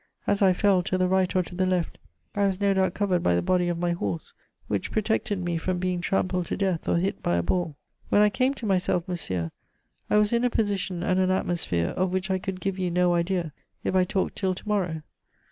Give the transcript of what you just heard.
As I fell, to the right or to the left, I was no doubt covered by the body of my horse, which protected me from being trampled to death or hit by a ball. "When I came to myself, monsieur, I was in a position and an atmosphere of which I could give you no idea if I talked till to morrow.